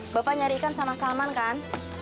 bapak nyari ikan sama salman kan